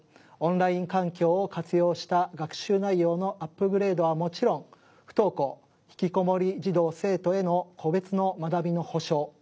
オンライン環境を活用した学習内容のアップグレードはもちろん不登校ひきこもり児童生徒への個別の学びの保障。